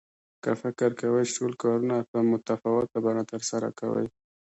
که فکر کوئ چې ټول کارونه په متفاوته بڼه ترسره کوئ.